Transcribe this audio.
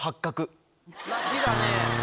好きだね。